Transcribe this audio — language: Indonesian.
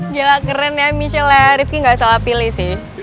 gila keren ya michelle ya rifki gak salah pilih sih